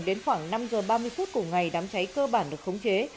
đến khoảng năm giờ ba mươi phút cùng ngày đám cháy cơ bản được khống chế